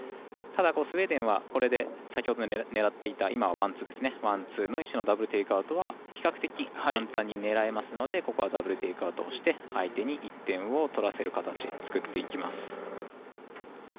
ただ、スウェーデンはこれで先ほど狙っていたワン、ツーの石のダブル・テイクアウトは比較的、簡単に狙えますのでここはダブル・テイクアウトをして相手に１点を取らせる形作っていきます。